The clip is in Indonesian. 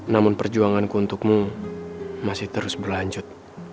namun perjuanganku untukmu masih terus berlanjut